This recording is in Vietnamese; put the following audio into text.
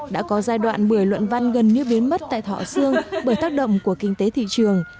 đã có giai đoạn bưởi luận văn gần như biến mất tại thọ sương bởi tác động của kinh tế thị trường